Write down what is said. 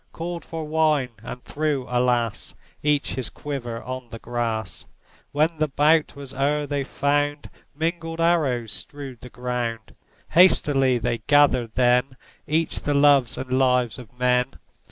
Called for wine, and threw — alas! — Each his quiver on the grass. When the bout was o'er they found Mingled arrows strewed the ground. Hastily they gathered then Each the loves and lives of men.